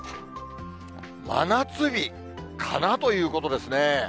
真夏日かなということですね。